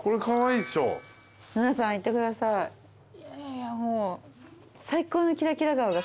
いやいやもう。